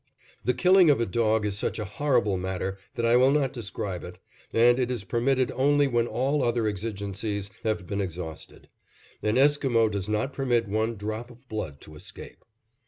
The killing of a dog is such a horrible matter that I will not describe it, and it is permitted only when all other exigencies have been exhausted. An Esquimo does not permit one drop of blood to escape.